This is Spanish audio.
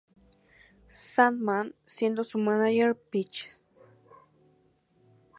Sandman, siendo su mánager Peaches.